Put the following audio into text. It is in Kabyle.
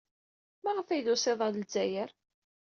Maɣef ay d-tusid ɣer Lezzayer?